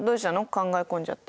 考え込んじゃって。